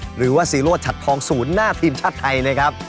หรือว่าซีโรธชัดทองศูนย์หน้าทีมชาติไทยนะครับ